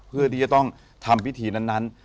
เพื่อที่จะต้องทำพิธีนั้น